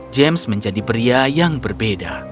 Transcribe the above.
james menjadi pria yang berbeda